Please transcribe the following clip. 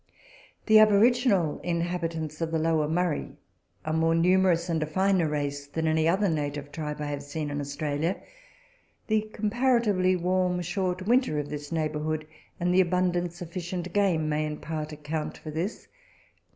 The aboriginal inhabitants of the LoAver Murray are more numerous and a finer race than any other native tribe I have seen in Australia. The comparatively warm, short winter of this neighbourhood, and the abundance of fish and game, may in part account for this.